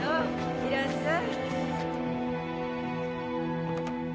いらっしゃい。